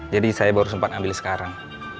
jadi saya baru sempat ambil sekarang